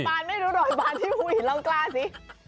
บานไม่รู้รอยบานที่คุยลองกล้าสิ